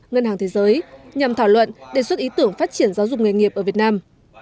ngân hàng thế giới nhằm thảo luận đề xuất ý tưởng phát triển giáo dục nghề nghiệp ở việt nam